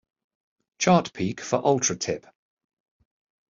Chart peak for Ultratip.